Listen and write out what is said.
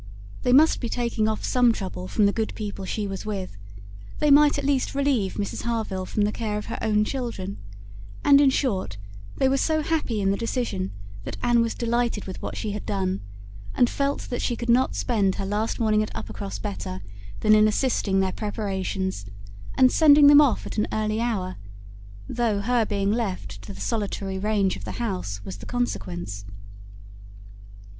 They must be taking off some trouble from the good people she was with; they might at least relieve Mrs Harville from the care of her own children; and in short, they were so happy in the decision, that Anne was delighted with what she had done, and felt that she could not spend her last morning at Uppercross better than in assisting their preparations, and sending them off at an early hour, though her being left to the solitary range of the house was the consequence.